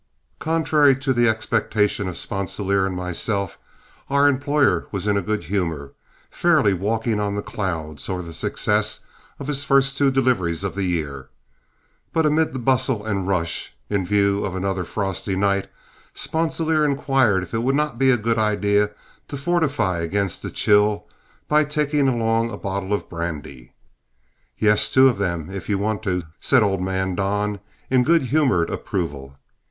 Contrary to the expectation of Sponsilier and myself, our employer was in a good humor, fairly walking on the clouds over the success of his two first deliveries of the year. But amid the bustle and rush, in view of another frosty night, Sponsilier inquired if it would not be a good idea to fortify against the chill, by taking along a bottle of brandy. "Yes, two of them if you want to," said old man Don, in good humored approval.